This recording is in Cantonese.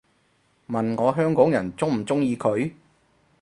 問我香港人鍾唔鍾意佢